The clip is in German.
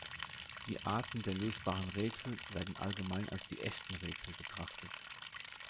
Die Arten der lösbaren Rätsel werden allgemein als die "echten Rätsel" betrachtet.